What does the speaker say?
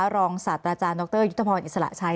รองศาสตราจารย์ดรยุทธพรอิสระชัย